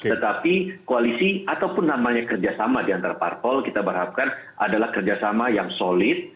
tetapi koalisi ataupun namanya kerjasama di antar parpol kita berharapkan adalah kerjasama yang solid